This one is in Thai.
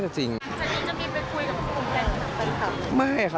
จากนี้จะมีไปคุยกับกลุ่มแฟนคลับเป็นครับ